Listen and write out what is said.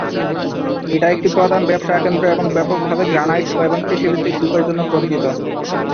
এটা একটি প্রধান ব্যবসা কেন্দ্র এবং ব্যাপকভাবে গ্রানাইট এবং কৃষিভিত্তিক শিল্পের জন্য পরিচিত।